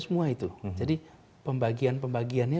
semua itu jadi pembagian pembagiannya